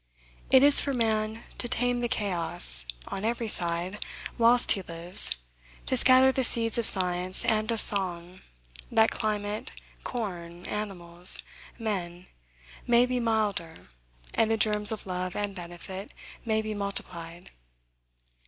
It is for man to tame the chaos; on every side, whilst he lives, to scatter the seeds of science and of song, that climate, corn, animals, men, may be milder, and the germs of love and benefit may be multiplied.